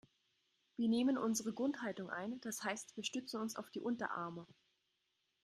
Wir nehmen unsere Grundhaltung ein, das heißt wir stützen uns auf die Unterarme.